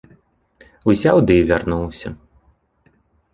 Узяў ды і вярнуўся.